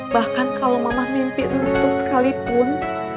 bahkan kalau mama mimpi runtut sekalipun